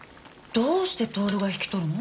どうして享が引き取るの？